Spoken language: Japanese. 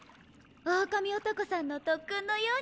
オオカミ男さんのとっくんのようにね。